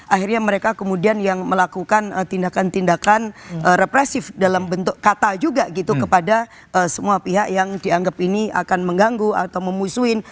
akhirnya mereka kemudian yang melakukan tindakan tindakan represif dalam bentuk kata juga gitu kepada semua pihak yang dianggap ini akan mengganggu atau memusuhin